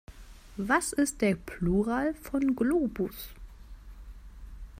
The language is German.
Was ist der Plural von Globus?